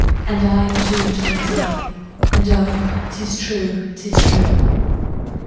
'And I am two and twenty, And oh, 'tis true, 'tis true.